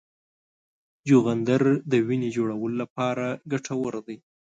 چغندر د وینې جوړولو لپاره ګټور دی.